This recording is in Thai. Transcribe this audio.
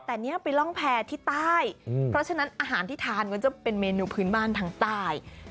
แต่เนี่ยไปร่องแพร่ที่ใต้เพราะฉะนั้นอาหารที่ทานก็จะเป็นเมนูพื้นบ้านทางใต้